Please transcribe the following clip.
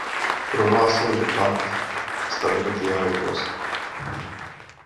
Prohlásil, že Pakt stability je hloupost.